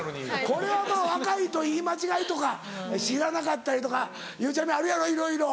これはまぁ若いと言い間違いとか知らなかったりとかゆうちゃみあるやろいろいろ。